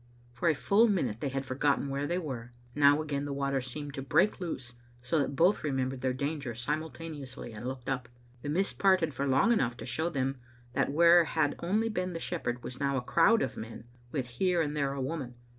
For a full minute they had forgotten where they were. Now, again, the water seemed to break loose, so that both remembered their danger simultaneously and looked up. The mist parted for long enough to show them that where had only been the shepherd was now a crowd of men, with here and there a woman.